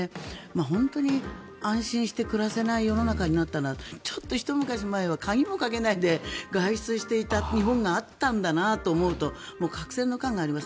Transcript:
本当に安心して暮らせない世の中になったのはちょっとひと昔前は鍵もかけないで外出していた日本があったんだなと思うと隔世の感があります。